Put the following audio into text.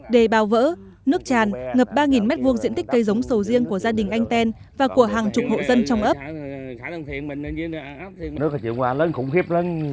đê bào vỡ nước tràn ngập ba mét vuông diện tích cây giống sổ riêng của gia đình anh ten và của hàng chục hộ dân trong ấp